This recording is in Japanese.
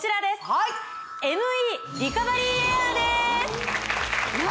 はいＭＥリカバリーエアーです何？